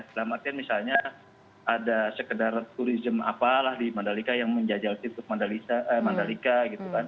selama itu misalnya ada sekedar turisme apalah di mandali kai yang menjajal titus mandali kai gitu kan